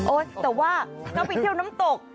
โอ๊ยแต่ว่าเจ้าไปเที่ยวน้ำตก